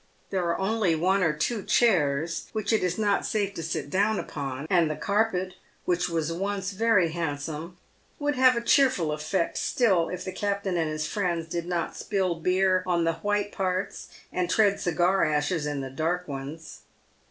There are only one or two chairs, which it is not safe to sit down upon, and the carpet, which was once very handsome, would have a cheerful effect still if the captain and his friends did not spill beer on the white parts and tread cigar ashes in the dark ones.